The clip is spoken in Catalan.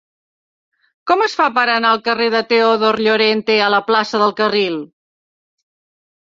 Com es fa per anar del carrer de Teodor Llorente a la plaça del Carril?